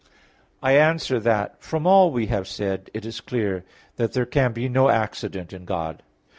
I answer that, From all we have said, it is clear there can be no accident in God.